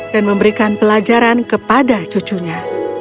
dan memberikan pelajaran kepada cucunya